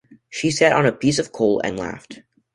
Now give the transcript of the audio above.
She sat on a piece of coal and laughed.